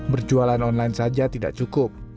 berjualan online saja tidak cukup